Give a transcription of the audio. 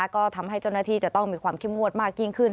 ก็ทำให้เจ้าหน้าที่จะต้องมีความเข้มงวดมากยิ่งขึ้น